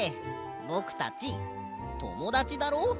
ぼくたちともだちだろ。